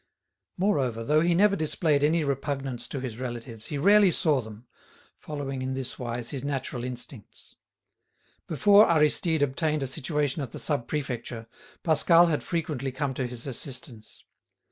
Moreover, though he never displayed any repugnance to his relatives, he very rarely saw them, following in this wise his natural instincts. Before Aristide obtained a situation at the Sub Prefecture, Pascal had frequently come to his assistance.